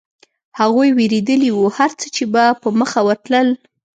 هغوی وېرېدلي و، هرڅه چې به په مخه ورتلل.